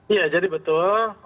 iya jadi betul